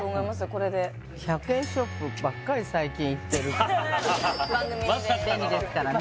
これで１００円ショップばっかり最近行ってるからまさかの便利ですからね